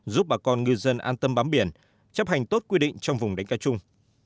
giúp bà con ngư dân an tâm bám biển chấp hành tốt quy định trong vùng đánh cá chung